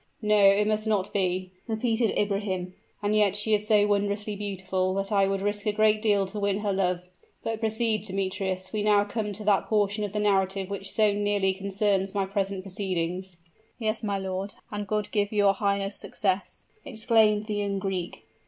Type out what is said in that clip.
"No, it must not be," repeated Ibrahim. "And yet, she is so wondrously beautiful that I would risk a great deal to win her love. But proceed, Demetrius we now come to that portion of the narrative which so nearly concerns my present proceedings." "Yes, my lord, and God give your highness success!" exclaimed the young Greek.